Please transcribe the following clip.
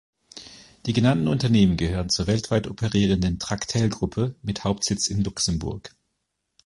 Die genannten Unternehmen gehören zur weltweit operierenden Tractel-Gruppe mit Hauptsitz in Luxemburg.